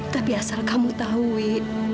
tapi asal kamu tahu wi